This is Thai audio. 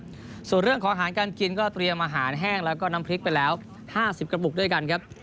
มีสาธาราจารย์แพทย์หญิงดิสยารัตนากรเดินทางไปกับทีมด้วยครับ